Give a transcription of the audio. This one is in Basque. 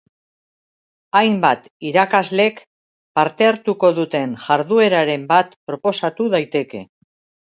Hainbat irakaslek parte hartuko duten jardueraren bat proposatu daiteke.